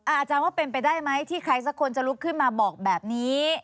อาจารย์ว่าเป็นไปได้ไหมที่ใครสักคนจะลุกขึ้นมาบอกแบบนี้